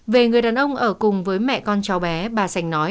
về người đàn ông ở cùng với mẹ con cháu bé